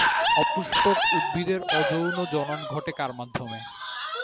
অপুষ্পক উদ্ভিদের অযৌন জনন ঘটে কার মাধ্যমে?